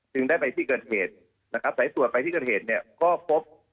ได้ไปที่เกิดเหตุนะครับสายตรวจไปที่เกิดเหตุเนี่ยก็พบ